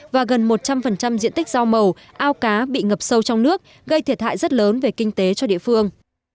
và gần một trăm linh diện tích rau màu ao cá bị ngập sâu trong nước gây thiệt hại rất lớn về kinh tế cho địa phương